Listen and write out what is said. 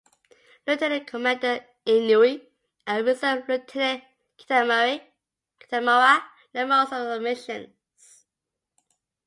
Lieutenant Commander Inoue and Reserve Lieutenant Kitamura led most of the missions.